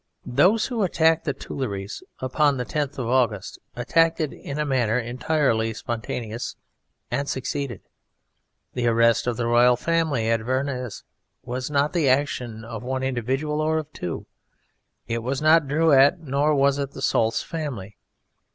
Those who attacked the Tuileries upon the 10th of August acted in a manner entirely spontaneous, and succeeded. The arrest of the Royal Family at Varennes was not the action of one individual or of two; it was not Drouet nor was it the Saulce family.